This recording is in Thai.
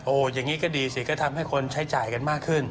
อย่างนี้ก็ดีสิก็ทำให้คนใช้จ่ายกันมากขึ้น